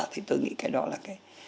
thì tôi nghĩ cái đó là cái